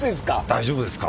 大丈夫ですか？